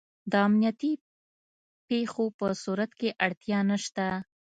د امنیتي پېښو په صورت کې اړتیا نشته.